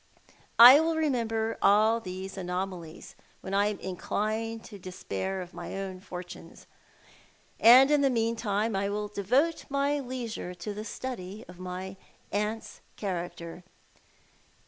I will remember all these anomalies when I am inclined to despair of my own fortimes. And in the meantime I will devote my leisure to the study of my aunt's character.